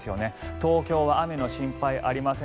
東京は雨の心配、ありません。